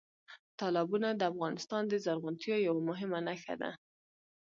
تالابونه د افغانستان د زرغونتیا یوه مهمه نښه ده.